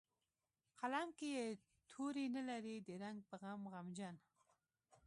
قلم کې یې توري نه لري د رنګ په غم غمجن